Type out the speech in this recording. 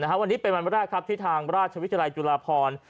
แล้ววันนี้เป็นวันแรกที่ทางราชวิทยาลัยจุฬาภรณ์